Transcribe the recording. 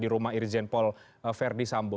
rumah irjen paul verdi sambo